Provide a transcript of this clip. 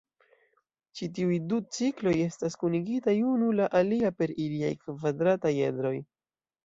Ĉi tiuj du cikloj estas kunigitaj unu la alia per iliaj kvadrataj edroj.